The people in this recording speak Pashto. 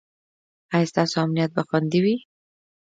ایا ستاسو امنیت به خوندي وي؟